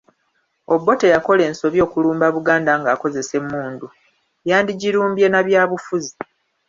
Obote yakola ensobi okulumba Buganda ng’akozesa emmundu, yandigirumbye na byabufuzi.